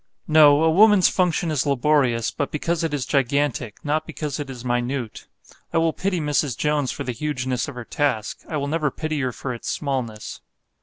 No; a woman's function is laborious, but because it is gigantic, not because it is minute. I will pity Mrs. Jones for the hugeness of her task; I will never pity her for its smallness.